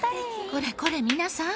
「これこれみなさん！